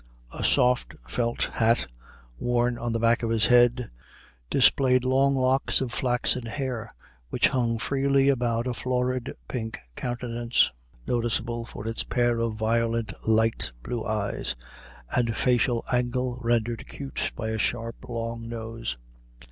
A soft felt hat, worn on the back of his head, displayed long locks of flaxen hair, which hung freely about a florid pink countenance, noticeable for its pair of violent little blue eyes, and facial angle rendered acute by a sharp, long nose.